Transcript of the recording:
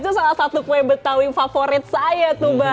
itu salah satu kue betawi favorit saya tuh mbak